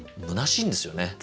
むなしいんですよね。